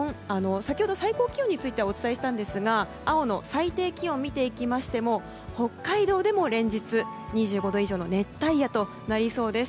先ほど最高気温についてはお伝えしましたが青の最低気温を見ていきましても北海道でも連日２５度以上の熱帯夜となりそうです。